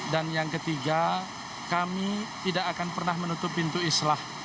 yang ketiga kami tidak akan pernah menutup pintu islah